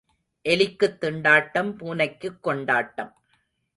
எலிக்குத் திண்டாட்டம் பூனைக்குக் கொண்டாட்டம்.